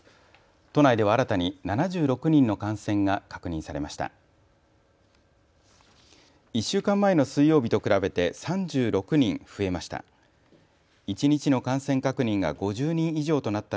都内では新たに７６人の感染が確認されました。